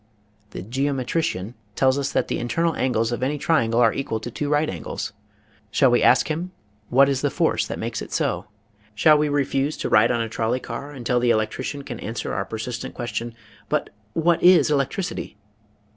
The geometrician tells us that the internal angles of any triangle are equal to two right angles. Shall we ask him, what is the force that makes it so ? Shall we refuse to ride on a trolley car until the electrician can answer our persistent ques tion; " but what is electricity?